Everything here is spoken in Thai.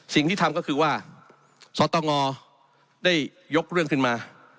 สิ่งที่ทำก็คือว่าสตงได้ยกเรื่องขึ้นมา